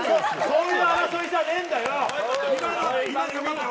そんな争いじゃねえんだよ！